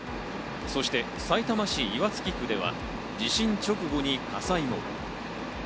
そしてさいたま市岩槻区では地震直後に火災も。